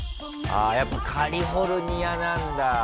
あやっぱカリフォルニアなんだ。